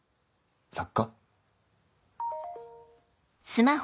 作家？